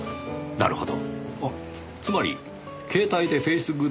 なるほど。